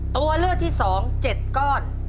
ตัวเลือกที่๒๗ก้อน